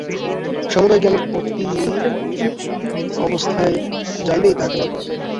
সমুদয় জ্ঞানের অতীত অবস্থায় যাইলেই তাঁহাকে লাভ করা হয়।